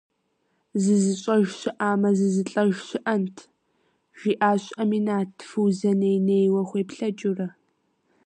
«Зызыщӏэж щыӏамэ зызылӏэж щыӏэнт?» - жиӏащ Аминат, Фузэ ней-нейуэ хуеплъэкӏыурэ.